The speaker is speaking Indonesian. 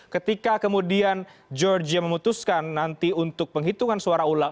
ketika kemudian georgia memutuskan nanti untuk penghitungan suara ulang